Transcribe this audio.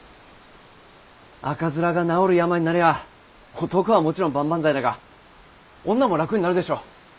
赤面が治る病になりゃ男はもちろん万々歳だが女も楽になるでしょ？